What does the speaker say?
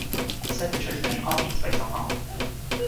Instead, they chose the name "Arby's", based on "R.